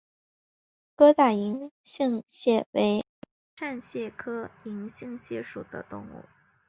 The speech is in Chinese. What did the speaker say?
疙瘩银杏蟹为扇蟹科银杏蟹属的动物。